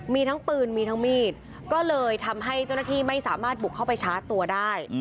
มีทั้งปืนมีทั้งมีดก็เลยทำให้เจ้าหน้าที่ไม่สามารถบุกเข้าไปชาร์จตัวได้